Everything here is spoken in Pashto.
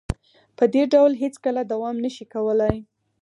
په دې ډول هیڅکله دوام نشي کولې